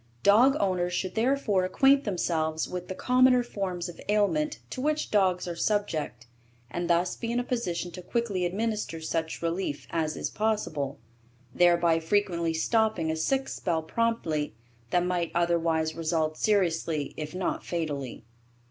Dog owners should therefore acquaint themselves with the commoner forms of ailment to which dogs are subject and thus be in a position to quickly administer such relief as is possible, thereby frequently stopping a sick spell promptly that might otherwise result seriously if not fatally.